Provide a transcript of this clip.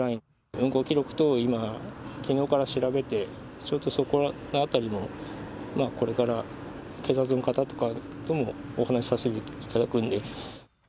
運行記録等を今、きのうから調べて、ちょっとそこらあたりも、これから警察の方とかともお話しさせていただくんで。